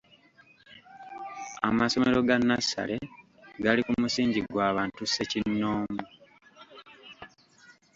Amasomero ga nnassale gali ku musingi gwa bantu ssekinnoomu.